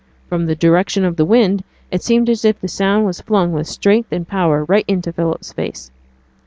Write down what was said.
From the direction of the wind, it seemed as if the sound was flung with strength and power right into Philip's face.